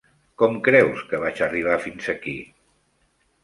Com creus que vaig arribar fins aquí?